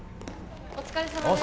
お疲れさまです